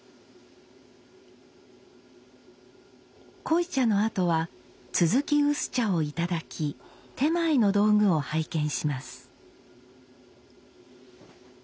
濃茶のあとは続き薄茶をいただき点前の道具を拝見します。